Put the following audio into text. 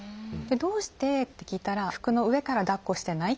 「どうして？」って聞いたら「服の上からだっこしてない？」